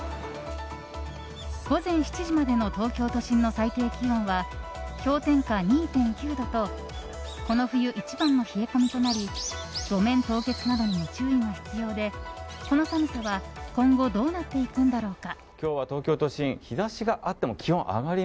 午前７時までの東京都心の最低気温は氷点下２．９度とこの冬一番の冷え込みとなり路面凍結などにも注意が必要でこの寒さは今後どうなっていくのだろうか。